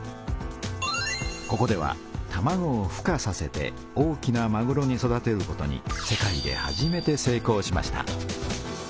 ここではたまごをふ化させて大きなまぐろに育てることに世界で初めて成功しました。